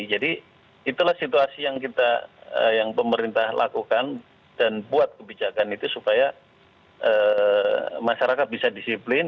jadi itulah situasi yang kita yang pemerintah lakukan dan buat kebijakan itu supaya masyarakat bisa disiplin